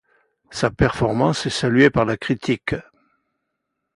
Sa performance est saluée par la critique.